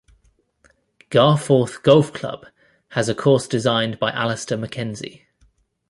Garforth Golf Club has a course designed by Alister MacKenzie.